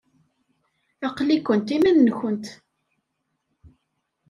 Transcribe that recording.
Aql-ikent iman-nkent.